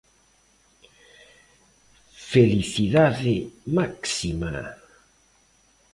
Felicidade máxima.